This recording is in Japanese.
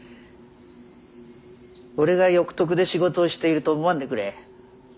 俺が欲得で仕事をしていると思わんでくれ。